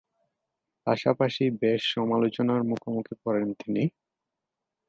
পাশাপাশি বেশ সমালোচনার মুখোমুখি পড়েন তিনি।